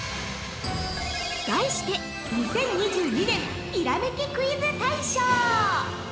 題して「２０２２年ひらめきクイズ大賞！」